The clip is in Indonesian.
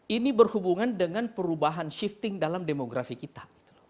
ini berhubungan dengan perubahan shifting dalam demografi kita